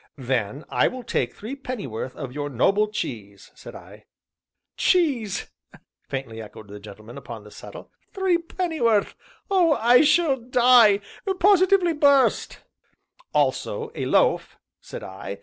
"Then I will take three pennyworth of your noble cheese," said I. "Cheese!" faintly echoed the gentleman upon the settle, "three pennyworth. Oh, I shall die, positively I shall burst!" "Also a loaf," said I.